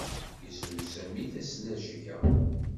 Yezrew Sami tasnajya.